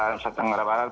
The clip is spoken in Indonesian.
dan satang merah barat